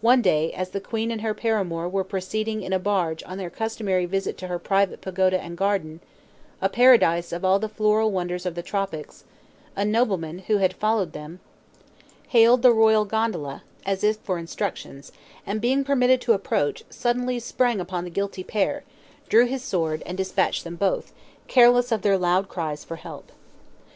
One day, as the queen and her paramour were proceeding in a barge on their customary visit to her private pagoda and garden, a paradise of all the floral wonders of the tropics, a nobleman, who had followed them, hailed the royal gondola, as if for instructions, and, being permitted to approach, suddenly sprang upon the guilty pair, drew his sword, and dispatched them both, careless of their loud cries for help.